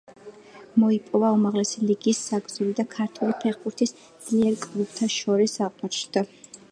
მოიპოვა უმაღლესი ლიგის საგზური და ქართული ფეხბურთის ძლიერ კლუბთა შორის აღმოჩნდა.